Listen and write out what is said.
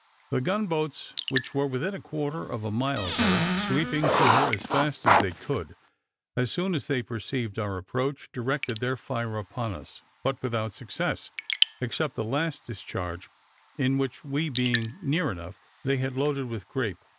The gun boats, which were within a quarter of a mile of her, sweeping to her as fast as they could, as soon as they perceived our approach, directed their fire upon us, but without success, except the last discharge, in which, we being near enough, they had loaded with grape.